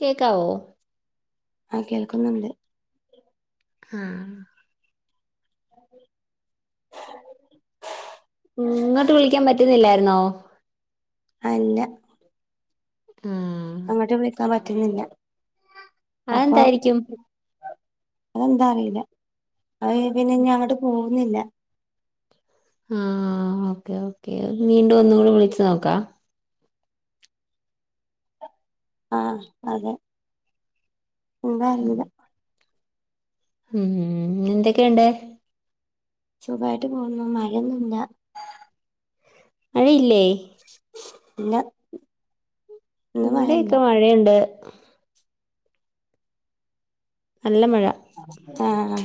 കേക്കാവോ? ആഹ് കേൾക്കുന്നുണ്ട് ആഹ് [inaudible] ഉം ഇങ്ങോട്ട് വിളിക്കാൻ പറ്റുന്നില്ലായിരു ന്നോ അല്ല ആഹ് അങ്ങോട്ട് വിളിക്കാൻ പറ്റ റ്റുന്നില്ല അത് എന്തായിരിക്കും അതെന്താന്നറിയില്ല അയ് പിന്നെ ഇനി അങ്ങോട്ട് കു ഇന്നില്ല ആഹ് ഓക്കേ ഓക്കെ വീണ്ടും ഒന്നും കൂടി വിളിച്ചു നോക്കാം ആഹ് അതെ ഉം എന്താ അറിയുല ഉം എന്തൊക്കെയുണ്ട് സുഖായിട്ട് പോഉന്നു മഴ ഒന്നുല്ല അയീ ഇല്ലേ ന്നെ ഇവിടെക്കെ മഴയുണ്ട് [unintelligible] നല്ല മഴ ആ ഹ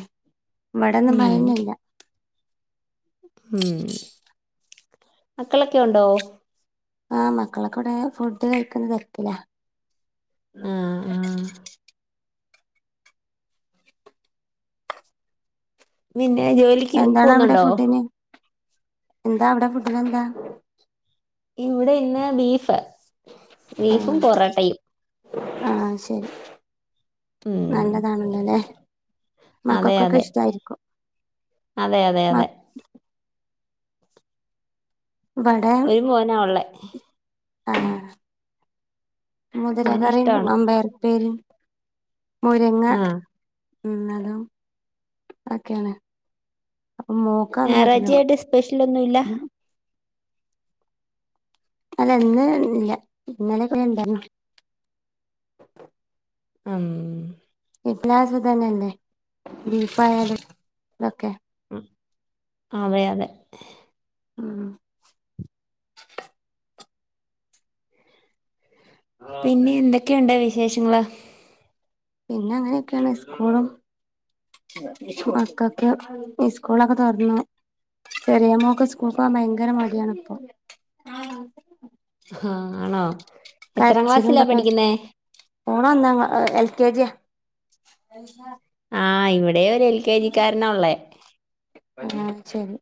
ഇബടൊന്നും ഉം മഴയൊന്നുല്ല ഉം മക്കളൊക്കെ ഉണ്ടോ ആ മക്കളൊക്കെ വിടെ ഫുഡ് കഴിക്കുന്ന തെരക്ക്ല ഉം ആഹ് ആഹ് പിന്നെ ജോലിക്ക് എന്താണ് അവിടെ പോുന്നുണ്ടോ ഫുഡിന് എന്താ അവിടെ ഫുഡിന് എന്താ ഇവിടെ ഇന്ന് ബീഫ് ബീഫും പൊറോട്ടയും ആ ശരി ഉം നല്ലതാണല്ലോല്ലെ അതെ മക്കക്കൊക്കെ അതെ ഇഷ്ടായിരിക്കും അതെ അതെ മ അതെ ഇവിടെ ഒരു മോനാ ഒള്ളേ ആഹ് മുതിര മോന് കറിം ഇഷ്ടാണ് മമ്പയർ ഉപ്പേരിം മുരിങ്ങ ആഹ് ഉം ന്നാലോ അഒക്കെയാണ് ഞായറാഴ്ചായിട്ട് സ്പെഷ്യൽ ഒന്നും ഇല്ല അതെന്നും ഇല്ല ഇന്നലൊക്കെ ണ്ടാരുന്നു അം ഇ ക്ലാസ് തന്നെല്ലേ ബീഫായാലും തൊക്കെ അതെ അതെ ഉം പിന്നെ എന്തൊക്കെയുണ്ട് വി ശേഷങ്ങള് പിന്നെ അങ്ങനെയൊക്കെയാണ് സ്കൂളും മക്കക്ക് സ്കൂളൊക്കെ തൊർന്നു. ചെറിയ മോക്ക് സ്കൂൾ പോകൻ ഭയങ്കര മടിയാണ് ഇപ്പൊ ഹാ ആണോ എത്രാം കരച്ചിലും ക്ലാസ്സിലാ തൊക്കെആയിട്ട് പഠിക്കുന്നേ പോണോന്ന് എ കെജി ആ ആ ഇവിട് ടെ ഒരു എൽ കെ ജി ക്കാരനാ ഉള്ളേ ആഹ് ശരി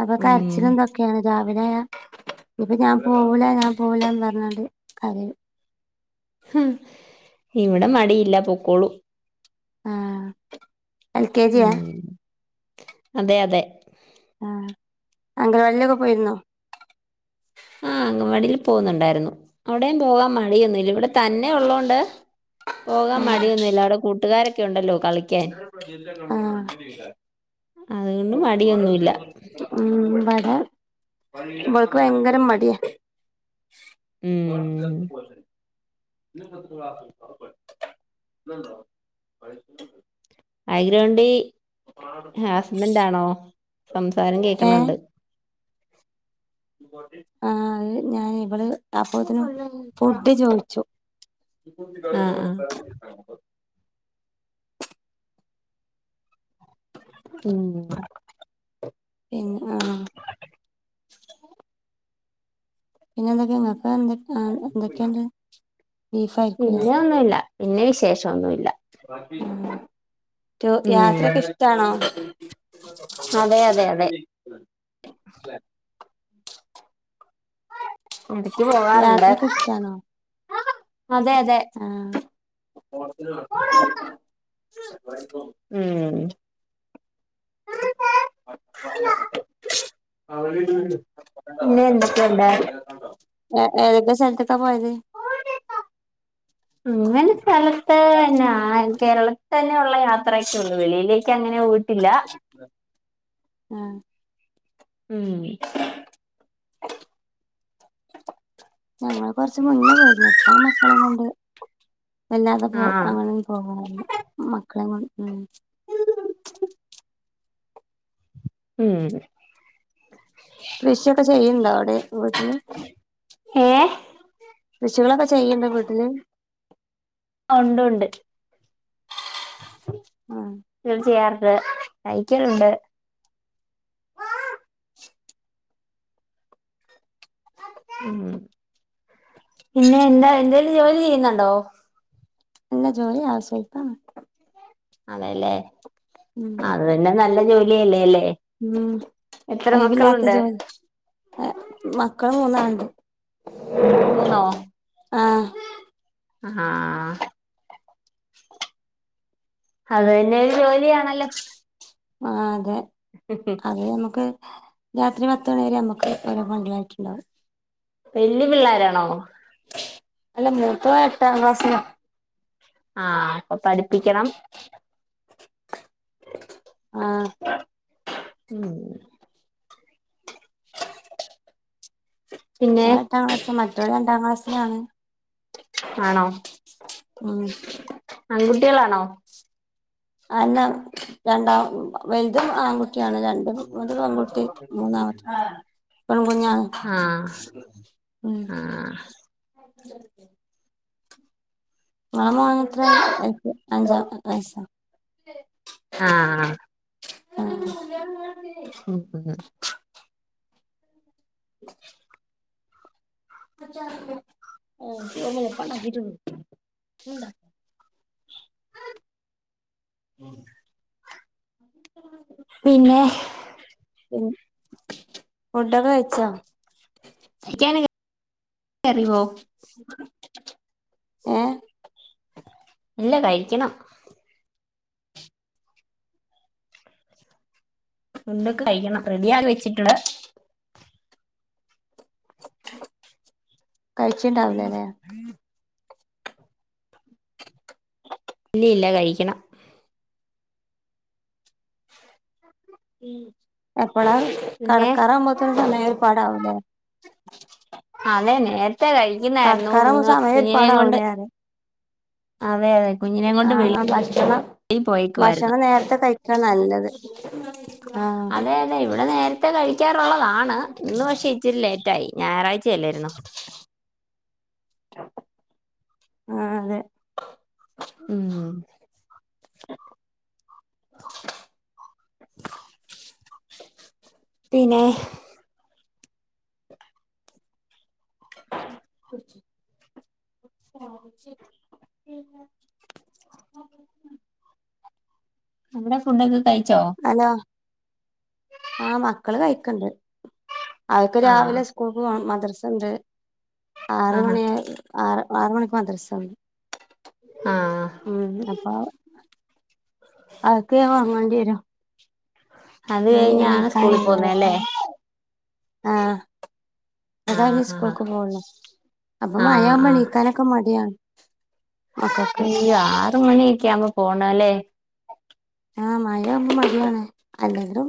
അപ്പൊ ഉം കരച്ചില് എന്തൊക്കെയാ രാവിലായ ഇപ്പൊ ഞാൻ പോവൂല ഞാൻ പോവലന്ന് പറഞ്ഞാണ്ട് അത് ഇവിടെ മടിയില്ല പൊക്കോളൂ ആഹ് എൽ കെ ജിയാ ഉം അതെ അതെ ആഹ് അങ്കന വാഡിലൊക്കെ പോയിരുന്നോ ആഹ് അംഗവാടില് പോകുന്നുണ്ടാരുന്നു അവിടെം പോകാൻ മ മടിയൊന്നന്നുംഇല്ല ഇവിടെ തന്നെ ഉള്ളോണ്ട് പോകാൻ ആഹ് മടിയൊന്നും ഇല്ല അവിടെ കൂട്ടാരൊക് ഉണ്ടല്ലോ കളിക്കാൻ ആഹ് അതുകൊണ്ട് മടിയൊന്നുമില്ല ഉം വരാം ഇവക്ക് ഭയങ്കര മടിയ ഉം [unintelligible] [unintelligible] [inaudible] ഹാസ്ബെന്റാണോ സംസാരം ഏഹ് കേക്കണൊണ്ട് ആഹ് അത് ഞാൻ ഇവള് അപ്പോത്തിനും ഫുഡ്‌ ചോയി ച്ചോ ആഹ് ആഹ് [unintelligible] ഉം പിം ആഹ ഉ പിന്നെ എന്തൊക്കെ നിങ്ങക്ക് എന്തൊക്ക ആ എന്തൊക്കെയുണ്ട് പിന്നെ ഒന്നുംല്ല പിന്നെ വിശേഷംൊന്നുമില്ല ബാക്കി ഉം യാത്രക്ക ഇഷ്ടാണോ അതെ അതെ അതെ ഉണ്ടക്ക് പോകാറുണ്ട് യാത്രൊക്കെ ഇഷ്ടാണോ അതെ അതെ ഉ ഉം ഹധ്ധ്ഡ്ജ്സ് [unintelligible] അവര് ണ്ട അവിട്ട അങ്ങനന്തണ്ടോ [unintelligible] ആ സ [unintelligible] അങ്ങനെ സ്ഥലത്ത് തന്നെയാ കേരളത്തി തന്നെ അങ്ങെയുള്ള യാത്രയൊക്കേയൂള്ളൂ വെളിയിലേക്ക് അങ്ങനെ [inaudible] ആഹ് ഉം ഞങ്ങള് കൊറച്ച് മുന്നേ ഇപ്പൊ ഇല്ല ഇപ്പൊ മക്കളെ കൊണ്ട്- അല്ലാതെ പോകും ആഹ് അങ്ങനെ ഒന്നും പോകാറില്ല മക്കളെ കൊണ്ട്- ഉം ഉം കൃഷിയൊക്കെ ചെയ്യണ്ടോ അവിടെ [unintelligible] ഏഹ് കൃഷികളൊക്കെ ചെയ്ന്നോ വീട്ടില്- ആഹ് തീർച്ചയർ [unintelligible] അത് തൈക്കലുണ്ട് ഉം പിന്നെ എന്താ എന്തേലും ജോലി ചെയ്യുന്നുണ്ടോ എല്ലാ ജോലി ആവിശ്യം അഹ് ഇപ്പൊ ആണെല്ലേ അത് തന്നെ നല്ല ജോലി [unintelligible] ഉം ഒയിവില്ലാത്ത ജോലി മക്കള് മൂന്നാണ് മൂന്നോ ആഹ് അഹ് ആഹാ അത് തന്നെ ഒരു ജോലിയണല്ലോ ആഹ് അതെ അത് നമുക്ക് രാത്രി പത്തു മണി വരെ നമ്മുക്ക് ഓരോ വണ്ടിലായിട്ടുണ്ടാവും വല്ല്യ പിള്ളാരാണോ അല്ല മൂത്താവൻ എട്ടാക്ലാസില ആഹ് അപ്പൊ പഠിപ്പിക്കണം ആഹ് ഉം [unintelligible] പിന്നെ [unintelligible] രണ്ടാം ക്ലാസ്സിലാണ് ആണോ ഉം ആൺകുട്ടികളാണോ ആഹ് എന്നാ രണ്ടാം വ ഇതും ആൺകുട്ടിയാണ് രണ്ടും ഒരു പെൺകുട്ടി മൂന്നാമത്തെ പെൺകുഞ്ഞാണ് ആഹ് ആഹ് ആഹ് മോനത്രെ അഞ്ചാം വയസ് ആഹ് ആഹാ ആഹ് [inaudible] [unintelligible] ഉണ്ട പിന്നെ ഫുഡൊക്കെ കഴിച്ചാ [unintelligible] അറിവോ ഏയ് ഇല്ല കഴിക്കണം ഫുണ്ടൊക്കെ കഴിക്കണം റെഡിയാ വെച്ചിട്ടില് കഴിച്ചിണ്ടാവില്ലല്ലേ ഇല്ലില്ല കഴിക്കണം ഉം ആ അപ്പോള കട പിന്നെ കറ ആവുമ്പോ സമയം ഒരുപാട് അവുല്ലേ അനേനെ എ തേ കഴിക്കുന്നായിരുന്നു കടക്കാറാകുമ്പോ ഇന്ന് സമയം കുഞ്ഞിനെയും കൊണ്ട് ഒരുപാടാവൂലേ പറയ ആ അതെതെ കുഞ്ഞിനെയെ കൊണ്ട് ആ ഭക്ഷണം വെളി പോയിക്കുവായിരുന്നു ഭക്ഷണം നേരത്തെ കഴിക്കാ നല്ലത് ആ അതെ അതെ ഇവിടെ നേരത്തെ കഴിക്കാറുള്ളതാണ് ഇന്ന് പക്ഷെ ഇച്ചിരി ലേറ്റായി ഞായറാഴ് ചല്ലായിരുന്നോ ആഹ് അതെ ഉം പിന്നെ [unintelligible] [unintelligible] ഫുഡ്‌ടൊക്കെ കയ് ഹലോ ആ മക്കള് കഴിക്കാനുണ്ട് അവക്ക് ആഹ്. രാവിലെ സ്കൂൾക്ക് പോണം മദ്ര സൺ‌ഡേ ആറ് ആഹാ. മണിയ ആറ് ആറ് മണിക്ക് മദ്രസ ആഹ്. ഉം അപ്പൊ അതൊക്കെയാ വാങ്ങ ണ്ടെരു അത് നീ കഴിഞ്ഞാണ് നീക്കാനെ സ്കൂളിൽ പോകുന്നത് നീക്ക അല്ലേ? ആഹ അത് കയ്ഞ് ആഹ് ആഹ്. സ്കൂൾക്ക് പോവുള്ളൂ അപ്പ മയാവുമ്പോ എണീക്കാനൊക്കെ മടിയാണ് മക്കൾക്ക് യ്യ ആറ് മണിയൊക്കെ ആവുമ്പം പോണെ ലേ ആ മയാകുമ്പോ മടിയാണ് അല്ലെങ്കിലും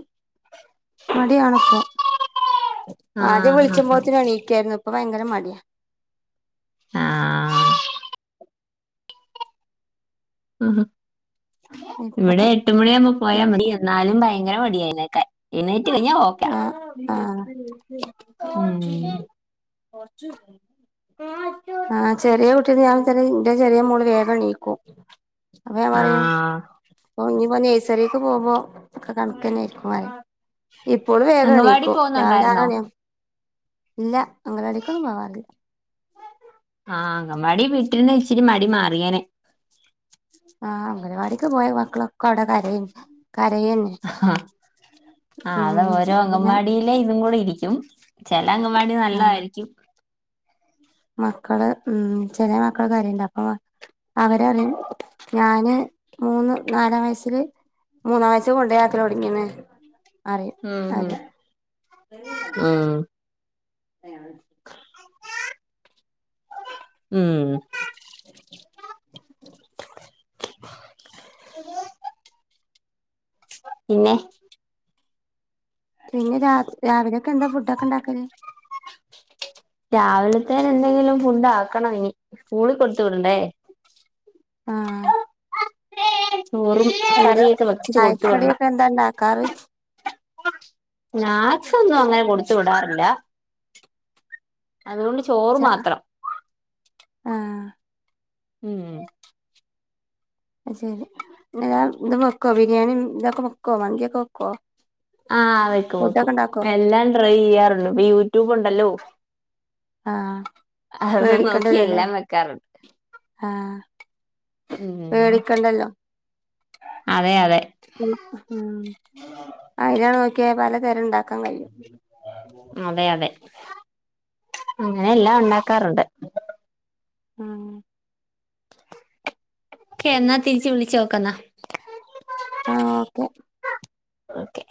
മടിയാണ്പ്പം ആദ്യം ആഹ് വിളിച്ച് ആഹ്. മ്പോത്തിന് എണീക്കായ്രുന്നു ഇപ്പ ഭയങ്കര മടിയാ ആഹ് ഉംഹ് ഇപ്പൊ ഇവിടെ എട്ടുമണിയാകുമ്പോ പോയാ മതി എന്നാലും ഭയങ്കര മടിയായെഴുന്നേ എണീറ്റ് കയ്ഞ്ഞ ഓക്കയാ ആഹ് ആഹ് ഉം ആഹ് ചെറിയ കുട്ടിടെ ഞാൻ [unintelligible] ഇന്റെ ചെറിയ മോള് വേഗം എണീക്കും അപ്പൊ ഞാൻ പറയും ആഹ്. ഇഞ്ഞിപ്പോ നെയ്‌സറീക്ക് പോവുമ്പോ ഒക്കെ കണക്കന്നെ ആയിക്കും [unintelligible] ഇപ്പോഴും അംഗൻവാടി വേഗണിക്കും രാവിലെ ആറ് പോകുന്നുണ്ടായിരുന്നോ? മണിയ ഇല്ല അങ്കലവാടീക്കൊന്നും പോവാറില്ല ആഹ് അങ്കൻവാടി വിട്ടിര്ന്നേ ഇച്ചിരി മടി മാറിയേനെ ആഹ് അംഗനവാടിക്ക് പോയ മക്കളൊക്കെ അവിടെ കരയിം ആ ആ അത് ഉം ഓരോ അപ്പൊ ഞാൻ അംഗൻവാടിയിലേ ഇതും കൂടി ഇരിക്കും ചെല അംഗൻവാടി ആഹ് നല്ലതായിരിക്കും മക്കള് ഉം ചെലെ മക്കൾ കര്യുണ്ട് അപ്പൊ അവരറിയും ഞാന് മൂന്ന് നാലാം വയസ്സില് മൂന്നാം വയ കൊണ്ടപോത്തി ഒടുങ്ങിന്ന് ഹം ഹ ആഹ അയാള് അക്ക ഉം [unintelligible] [unintelligible] പിന്നെ പിന്നെ രാത് രാവിലെ ക്ക എന്താ ഫുഡ് ഒക്കെ ഇണ്ടാക്കല് രാവിലത്തേന് എന്തെങ്കിലും ഫുഡ് ആക്കണം ഇനി സ്കൂളി കൊടുത്ത് വിടണ്ടേ ആഹ് ചോറും എന്താ കറിയൊക്കെ വച്ചു കൊടുത്തു വിടണം ചായക്കടിയൊക്കെ എന്താ ഇണ്ടാക്കാറ് സ്നാക്സ് ഒന്നും അങ്ങനെ കൊടുത്ത് വിടാറില്ല അതുകൊണ്ട് ചോറ് ച മാത്രം ആഹ് ഉം അത് ശെരി [unintelligible] എന്തും വെക്കോ ബിരിയാണിം ഇതൊക്കെ വെക്കോ മന്തിയൊക്കെ വെക്കോ ആഹ് വെക്കും വെക്കും ഫുഡൊക്കെ ഇണ്ടാക്കോ എല്ലാം ട്രൈ ചെയ്യാറുണ്ട് ഇപ്പ യൂട്യൂബ് ഉ ഹലോ ആഹ് പേടിക്കണ്ടല്ലല്ലേ എല്ലാം വെക്കാറുണ്ട് ആഹ് ഉം പേടിക്കണ്ടല്ലോ അതെ അതെ ഉം [unintelligible] ഒക്കെ പല തരം ഇണ്ടാ അതെ അതെ അങ്ങനെ എല്ലാം ഇണ്ടാക്കാറുണ്ട് ആഹ് ക്കെ എന്നാ തിരിച്ച് വിളിച്ചു നോക്കന്നാ ആഹ് ഓക്കെ ഓക്കെ